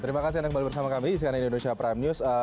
terima kasih anda kembali bersama kami di cnn indonesia prime news